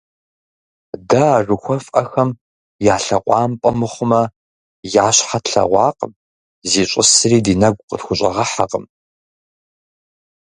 Дэ а жыхуэфӀэхэм я лъэкъуампӀэ мыхъумэ, я щхьэ тлъэгъуакъым, зищӀысри ди нэгу къытхущӀэгъэхьэкъым.